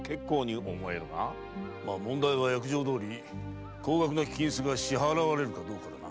問題は約定どおり高額な金子が支払われるかどうかだな。